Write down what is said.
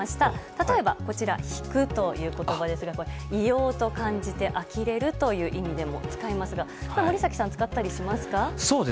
例えば、こちら「引く」という言葉異様と感じてあきれるという意味でも使いますが森崎さん、使ったりしますか？